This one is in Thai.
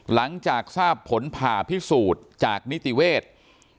หลังจากทราบผลผ่าพิสูจน์จากนิติเวทย์